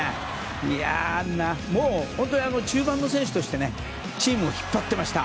いやあ、本当に中盤の選手としてチームを引っ張ってました。